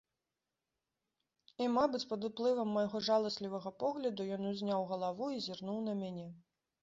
І, мабыць, пад уплывам майго жаласлівага погляду ён узняў галаву і зірнуў на мяне.